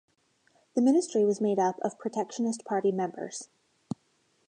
The ministry was made up of Protectionist Party members.